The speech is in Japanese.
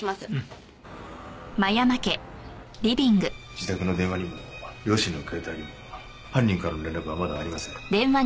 自宅の電話にも両親の携帯にも犯人からの連絡はまだありません。